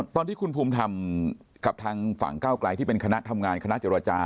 ตอนที่คุณภูมิทำกับทางฝั่งก้าวไกลที่เป็นคณะทำงานคณะเจรจา